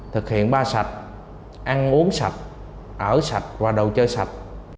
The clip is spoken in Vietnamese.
thực hiện ba sạch ăn uống sạch ở sạch và đồ chơi sạch